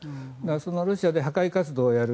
そのロシアで破壊活動をやる